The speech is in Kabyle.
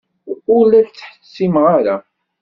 Ur la k-ttḥettimeɣ ara.